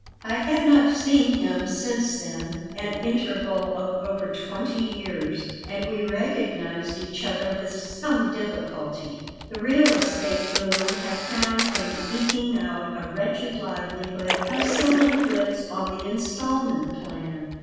I had not seen him since then an interval of over twenty years and we recognized each other with some difficulty The real estate boom had found him eking out a wretched livelihood by selling goods on the instalment plan.